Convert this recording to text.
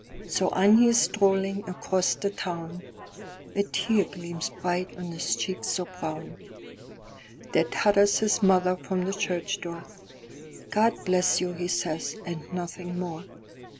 So on he is strolling across the town:A tear gleams bright on his cheek so brown. There totters his mother from the church door."God bless you!" he says, and nothing more.